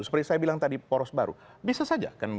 seperti saya bilang tadi poros baru bisa saja